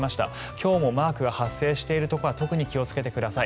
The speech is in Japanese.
今日もマークが発生しているところは特に気をつけてください。